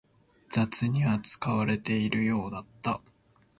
雑に扱われているようだった